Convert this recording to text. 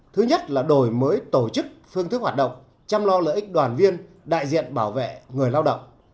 thứ nhất là đổi mới tổ chức phương thức hoạt động chăm lo lợi ích đoàn viên đại diện bảo vệ người lao động